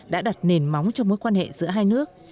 đã đặt nền móng cho mối quan hệ giữa hai nước